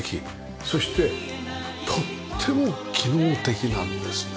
そしてとっても機能的なんですね。